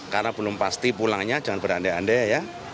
karena belum pasti pulangnya jangan beranda anda ya